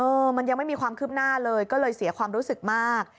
มันยังไม่มีความคืบหน้าเลยก็เลยเสียความรู้สึกมาก